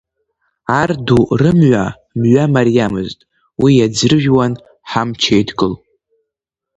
Арду рымҩа, мҩа мариамызт, уи иаӡрыжәуан ҳамч еидкыл.